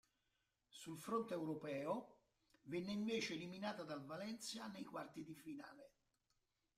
Sul fronte europeo, venne invece eliminata dal Valencia nei quarti di finale.